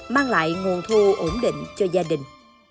mang lại nguồn thu ổn định cho gia đình